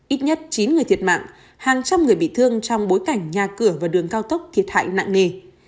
ít nhất chín người thiệt mạng hàng trăm người bị thương trong bối cảnh nhà cửa và đường cao tốc thiệt hại nặng nề